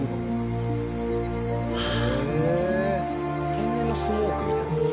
天然のスモークみたいなこと？